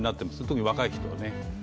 特に若い人ね。